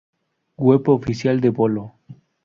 Web Oficial de "Bolo"